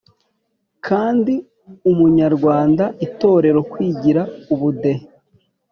nka ndi umunyarwanda, itorero, kwigira, ubudehe,